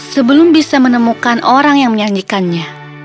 sebelum bisa menemukan orang yang menyanyikannya